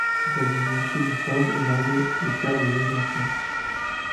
Vladimir Filippov est marié et père de deux enfants.